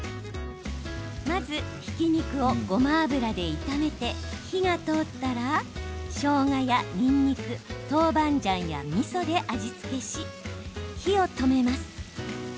まず、ひき肉をごま油で炒めて火が通ったらしょうがや、にんにく豆板醤やみそで味付けし火を止めます。